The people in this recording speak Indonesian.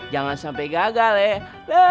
jangan sampai gagal ya